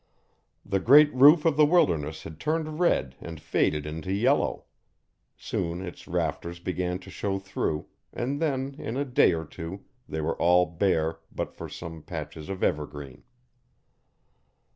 The great roof of the wilderness had turned red and faded into yellow. Soon its rafters began to show through, and then, in a day or two, they were all bare but for some patches of evergreen.